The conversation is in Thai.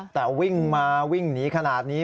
แต่วิ่งมาวิ่งหนีขนาดนี้